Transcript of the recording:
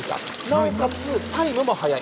なおかつタイムも速い。